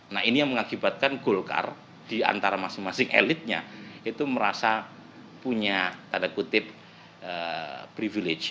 nah ini yang mengakibatkan golkar di antara masing masing elitnya itu merasa punya tanda kutip privilege